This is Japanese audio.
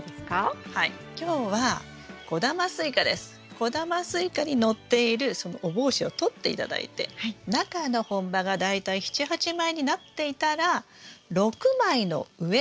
小玉スイカに載っているそのお帽子を取って頂いて中の本葉が大体７８枚になっていたら６枚の上のところで摘心